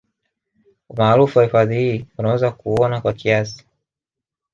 Umaarufu wa hifadhi hii unaweza kuuona kwa kiasi